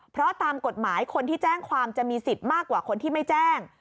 เพราะตามกฎหมายคนที่แจ้งความจะมีสิทธิ์มากกว่าคนที่ไม่แจ้ง